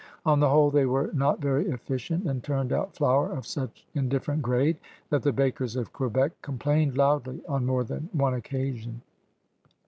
On the whole, they were not very efficient and turned out flour of such indiffer ent grade that the bakers of Quebec complained loudly on more than one occasion.